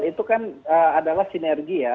itu kan adalah sinergi ya